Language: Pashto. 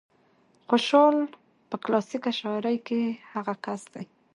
خوشال په کلاسيکه شاعرۍ کې هغه کس دى